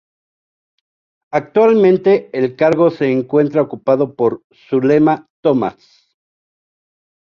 Actualmente el cargo se encuentra ocupado por Zulema Tomás.